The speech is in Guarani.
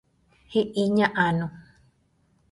He'i ña Anu.